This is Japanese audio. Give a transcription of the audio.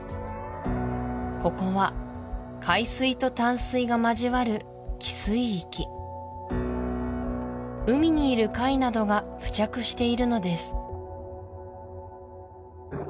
ここは海水と淡水が交わる汽水域海にいる貝などが付着しているのです